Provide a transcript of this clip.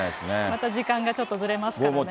また時間がちょっとずれますからね。